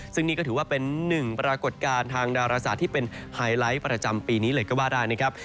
ซึ่งนี่ก็ถือว่าเป็นหนึ่งปรากฏการณ์ทางดาราศาสตร์ที่เป็นไฮไลท์ประจำปีนี้เลยก็ว่าได้นะครับ